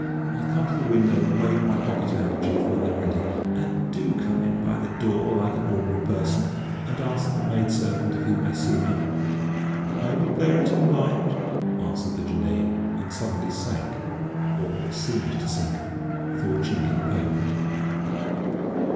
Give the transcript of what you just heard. I'll come to the window and wave my pocket handkerchief when they're ready. And do come in by the door like an ordinary person, and ask the maidservant if you may see me." "I will bear it in mind," answered the Jinnee, and suddenly sank, or seemed to sink, through a chink in the pavement.